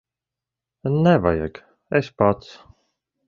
Nevajag. Es pats.